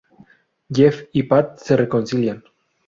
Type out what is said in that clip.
Jeff y Pat se reconcilian.